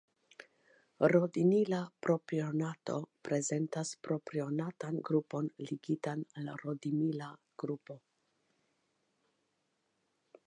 Rodinila propionato prezentas propionatan grupon ligitan al rodinila grupo.